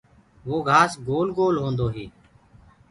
وو گھآس گول گول هوندو هي۔